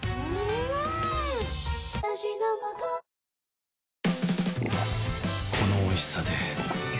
私、１回このおいしさで